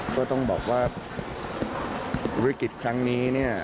ก็ต้องบอกว่าวิกฤตครั้งนี้เนี่ย